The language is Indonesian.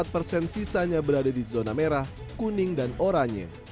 empat persen sisanya berada di zona merah kuning dan oranye